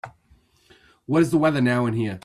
What is the weather now and here?